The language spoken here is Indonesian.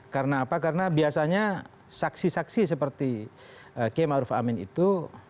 karena apa karena biasanya saksi saksi seperti ki ma'ruf amin itu